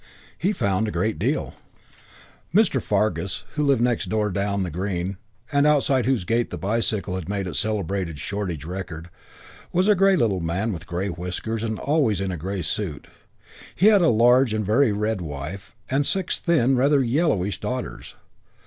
He found a great deal. III Mr. Fargus, who lived next door down the Green, and outside whose gate the bicycle had made its celebrated shortage record, was a grey little man with grey whiskers and always in a grey suit. He had a large and very red wife and six thin and rather yellowish daughters.